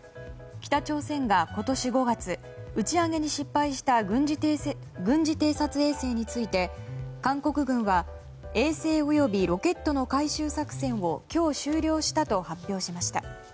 北朝鮮が今年５月打ち上げに失敗した軍事偵察衛星について韓国軍は衛星及びロケットの回収作戦を今日終了したと発表しました。